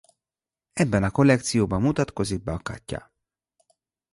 Ebben a kollekcióban mutatkozik be Katia.